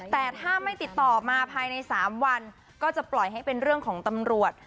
แต่ถ้าไม่ติดต่อมาภายใน๓วันก็จะปล่อยให้เป็นเรื่องของตำรวจ